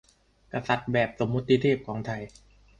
กษัตริย์แบบสมมติเทพของไทย